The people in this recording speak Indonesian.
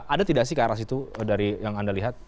ada tidak sih ke arah situ dari yang anda lihat